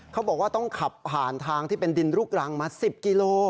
เขาบอกว่าต้องขับผ่านทางที่เป็นดินลูกรังมา๑๐กิโล